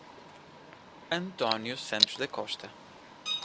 Antônio Santos da Costa